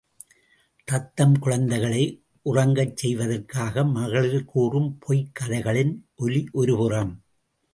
தத்தம் குழந்தைகளை உறங்கச் செய்வதற்காக மகளிர் கூறும் பொய்க் கதைகளின் ஒலி ஒருபுறம்.